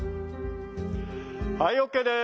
はいＯＫです。